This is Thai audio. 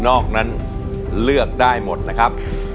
อกนั้นเลือกได้หมดนะครับ